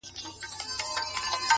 دې لېوني ماحول کي ووایه پر چا مئين يم-